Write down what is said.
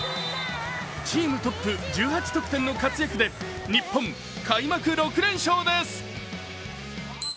チームトップ１８点の得点で日本、開幕６連勝です。